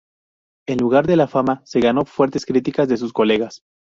En lugar de la fama, se ganó fuertes críticas de sus colegas.